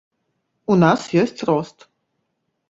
У нас ёсць рост.